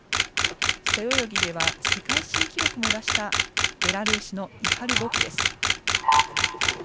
背泳ぎでは世界新記録も出したベラルーシのイハル・ボキです。